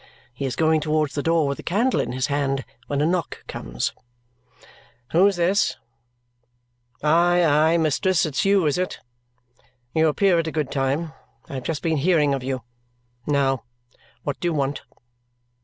He is going towards the door with a candle in his hand when a knock comes. "Who's this? Aye, aye, mistress, it's you, is it? You appear at a good time. I have just been hearing of you. Now! What do you want?"